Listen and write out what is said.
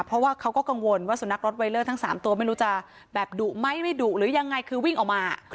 เพราะว่าเขาก็กังวลว่าสุนัขรถไวเลอร์ทั้ง๓ตัวไม่รู้จะแบบดุไหมไม่ดุหรือยังไงคือวิ่งออกมา